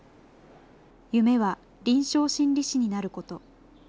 夢は臨床心理士になること。